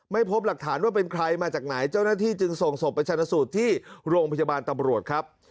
ไม่พบหลักฐานว่าเป็นใครมาจากไหนเจ้าหน้าที่จึงส่งศพไปชนะสูตรที่โรงพยาบาลตำรวจครับ